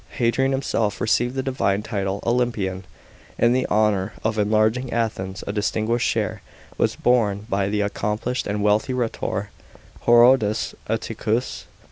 Hadrian himself received the divine title "Olympian." In the honour of enlarging Athens a distinguished share was borne by the accomplished and wealthy rhetor, Herodes Atticus.